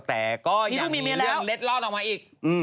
แต่ก็ยังมีเรื่องเล็ดลอดออกมาอีก